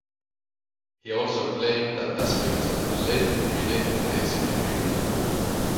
He also claimed that aspects of the later prenatal phase can be remembered.